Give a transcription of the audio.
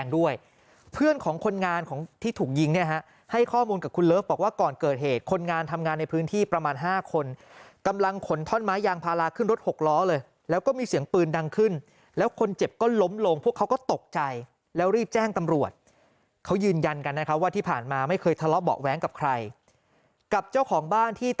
ด้วยเพื่อนของคนงานของที่ถูกยิงเนี่ยฮะให้ข้อมูลกับคุณเลิฟบอกว่าก่อนเกิดเหตุคนงานทำงานในพื้นที่ประมาณ๕คนกำลังขนท่อนไม้ยางพาราขึ้นรถหกล้อเลยแล้วก็มีเสียงปืนดังขึ้นแล้วคนเจ็บก็ล้มลงพวกเขาก็ตกใจแล้วรีบแจ้งตำรวจเขายืนยันกันนะครับว่าที่ผ่านมาไม่เคยทะเลาะเบาะแว้งกับใครกับเจ้าของบ้านที่ต